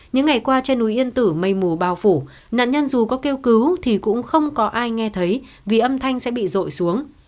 những ngày qua trên núi yên tử mây mù bao phủ nạn nhân dù có kêu cứu thì cũng không có ai nghe thấy vì âm thanh sẽ bị rội xuống